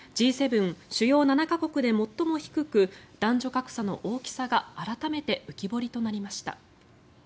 Ｇ７・主要７か国で最も低く男女格差の大きさが改めて浮き彫りとなりました。